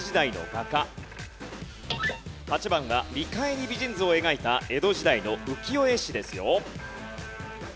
８番が『見返り美人図』を描いた江戸時代の浮世絵師ですよ。